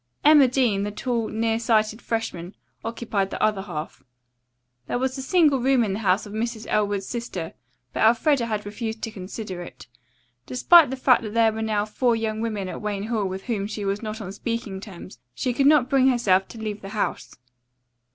Emma Dean, the tall, near sighted freshman, occupied the other half. There was a single room in the house of Mrs. Elwood's sister, but Elfreda had refused to consider it. Despite the fact that there were now four young women at Wayne Hall with whom she was not on speaking terms, she could not bring herself to leave the house.